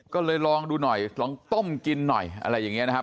ก็เลยลองดูหน่อยลองต้มกินหน่อยอะไรอย่างนี้นะครับ